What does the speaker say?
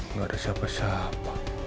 nggak ada siapa siapa